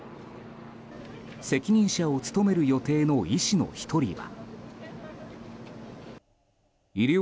責任者を務める予定の医師の１人は。